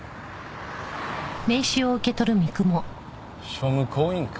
庶務行員か。